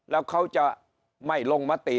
แล้วเขาจะไม่ลงมติ